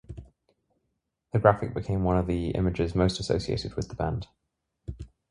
The graphic became one of the images most associated with the band.